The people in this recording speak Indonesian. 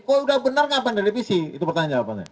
kalau sudah benar kenapa merevisi itu pertanyaan jawabannya